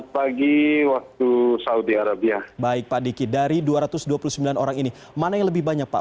pak diki dari dua ratus dua puluh sembilan orang ini mana yang lebih banyak pak